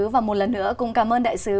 và một lần nữa cũng cảm ơn đại sứ